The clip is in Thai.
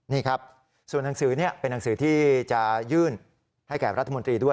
นี่ครับส่วนหนังสือนี้เป็นหนังสือที่จะยื่นให้แก่รัฐมนตรีด้วย